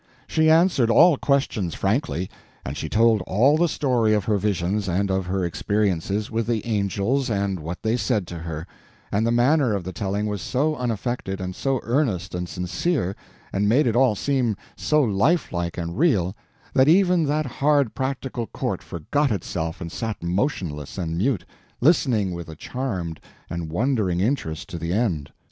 She answered all questions frankly, and she told all the story of her visions and of her experiences with the angels and what they said to her; and the manner of the telling was so unaffected, and so earnest and sincere, and made it all seem so lifelike and real, that even that hard practical court forgot itself and sat motionless and mute, listening with a charmed and wondering interest to the end.